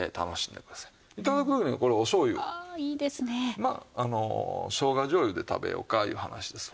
まあしょうが醤油で食べようかいう話ですわ。